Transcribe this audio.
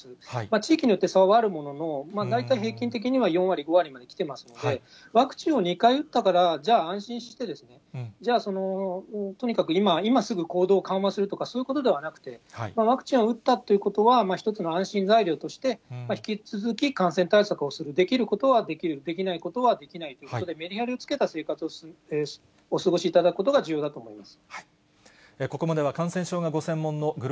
地域によって差はあるものの、大体平均的には４割、５割まで来てますので、ワクチンを２回打ったから、じゃあ安心して、じゃあその、とにかく今すぐ行動を緩和するとか、そういうことではなくて、ワクチンを打ったということは、一つの安心材料として、引き続き感染対策をする、できることはできる、できないことはできないということで、めりはりをつけた生活をお過ごしいただくことが重要だと思います。